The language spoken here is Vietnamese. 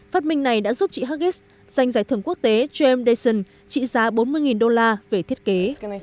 phát minh này đã giúp chị huggies giành giải thưởng quốc tế james dyson trị giá bốn mươi đô la về thiết kế